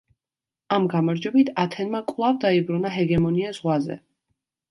ამ გამარჯვებით ათენმა კვლავ დაიბრუნა ჰეგემონია ზღვაზე.